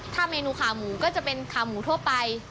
ถ้าเมนูขาหมูก็จะเป็นขาหมูทั่วไป